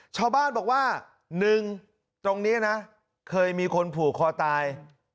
ชาวบ้านบอกว่า๑ตรงนี้นะเคยมีคนผูกคอตาย